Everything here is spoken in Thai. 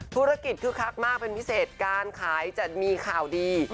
ธุรกิจคึกคักมากเป็นพิเศษการขายจะมีข่าวดี